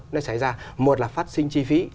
nó xảy ra một là phát sinh chi phí